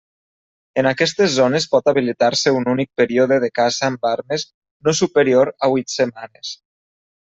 En aquestes zones pot habilitar-se un únic període de caça amb armes no superior a huit setmanes.